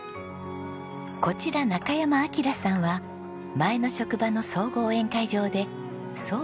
こちら中山明さんは前の職場の総合宴会場で総料理長を務めた方なんです。